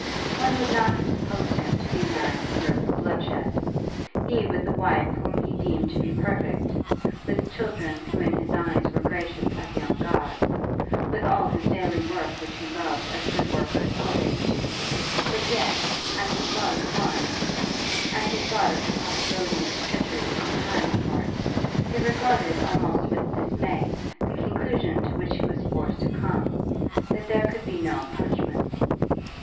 One would not have supposed him to be a man eager for bloodshed, he with a wife whom he deemed to be perfect, with children who in his eyes were gracious as young gods, with all his daily work which he loved as good workers always do; but yet, as he thought of Florence, as he thought of the possibility of treachery on Harry's part, he regarded almost with dismay the conclusion to which he was forced to come, that there could be no punishment.